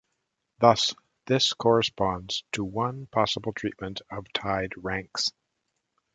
Thus this corresponds to one possible treatment of tied ranks.